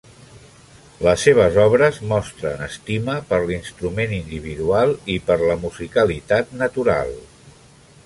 Les seves obres mostren estima per l'instrument individual i per la musicalitat natural.